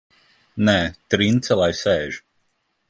Nē, Trince lai sēž!